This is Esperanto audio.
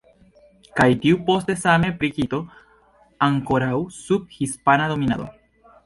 Kaj tuj poste same pri Kito, ankoraŭ sub hispana dominado.